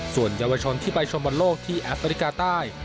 ส่วนเยาวชนที่ไปชมบอลโลกที่แอฟริกาใต้